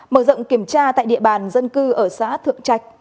mở rộng kiểm tra tại địa bàn dân cư ở xã thượng trạch